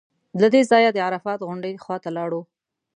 له دې ځایه د عرفات غونډۍ خوا ته لاړو.